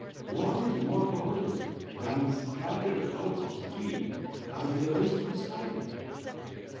What is more powerless than the scattered clouds of steam as they rise to the sky?